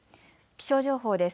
気象情報です。